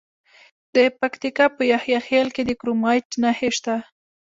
د پکتیکا په یحیی خیل کې د کرومایټ نښې شته.